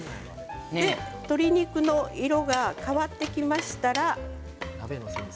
鶏肉の色が変わってきましたら。